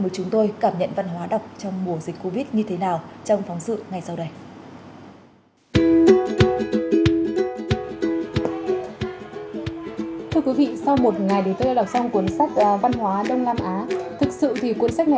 với chúng tôi cảm nhận văn hóa đọc trong mùa dịch